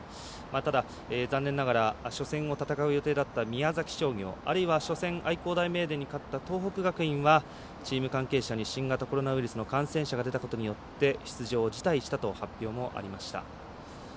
ただ、残念ながら初戦を戦う予定だった宮崎商業、あるいは愛工大名電に勝ったチームはチーム関係者に新型コロナウイルス感染者が出たということで出場を辞退したという発表もありました。